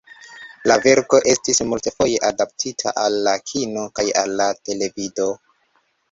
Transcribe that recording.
La verko estis multfoje adaptita al la kino kaj al la televido.